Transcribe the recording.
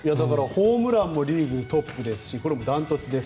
ホームランもリーグトップですしダントツです。